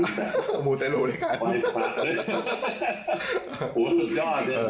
เอามูลใส่โหลดเดียวกัน